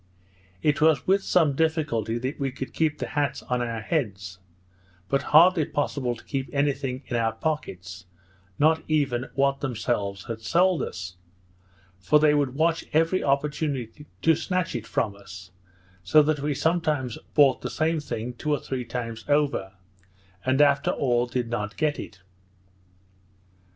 It was with some difficulty we could keep the hats on our heads; but hardly possible to keep any thing in our pockets, not even what themselves had sold us; for they would watch every opportunity to snatch it from us, so that we sometimes bought the same thing two or three times over, and after all did not get it.